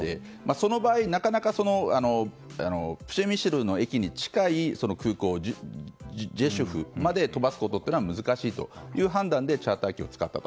その場合、なかなかプシェミシルの駅に近いジュセフに飛ばすことはできないということでチャーター機を使ったと。